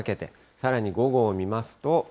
さらに午後を見ますと。